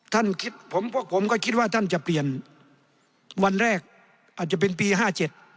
ท่านคิดผมพวกผมก็คิดว่าท่านจะเปลี่ยนวันแรกอาจจะเป็นปีห้าเจ็ด